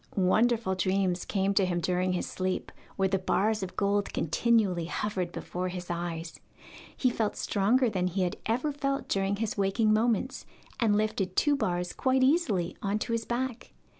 Wonderful dreams came to him during his sleep, where the bars of gold continually hovered before his eyes. He felt stronger than he had ever felt during his waking moments, and lifted two bars quite easily on to his back.